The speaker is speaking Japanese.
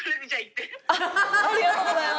ありがとうございます。